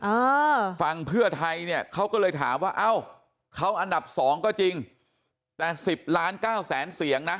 อ่าฝั่งเพื่อไทยเนี่ยเขาก็เลยถามว่าเอ้าเขาอันดับสองก็จริงแต่สิบล้านเก้าแสนเสียงนะ